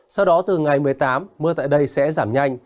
sau đó từ ngày một mươi tám mưa tại đây sẽ giảm nhanh